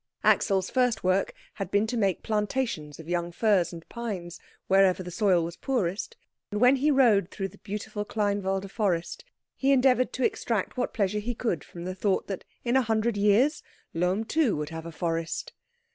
Axel's first work had been to make plantations of young firs and pines wherever the soil was poorest, and when he rode through the beautiful Kleinwalde forest he endeavoured to extract what pleasure he could from the thought that in a hundred years Lohm too would have a forest.